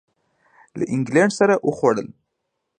له اینګلینډ سره وخوړل.